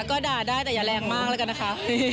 ก็ด่าได้แต่อย่าแรงมากแล้วกันนะคะ